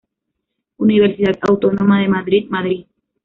Universidad Autónoma de Madrid, Madrid.